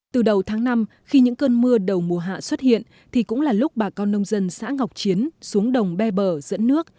từ đầu tháng năm khi những cơn mưa đầu mùa hạ xuất hiện thì cũng là lúc bà con nông dân xã ngọc chiến xuống đồng bè bờ dẫn nước